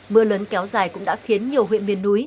mưa lớn kéo dài cũng đã khiến nhiều huyện miền núi